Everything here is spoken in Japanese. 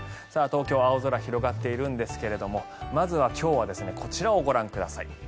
東京、青空広がっているんですがまずは今日はこちらをご覧ください。